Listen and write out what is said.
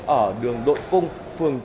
ở đường đội cung phường chiến